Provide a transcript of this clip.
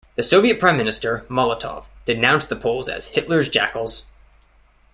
The Soviet Prime Minister, Molotov, denounced the Poles as "Hitler's jackals".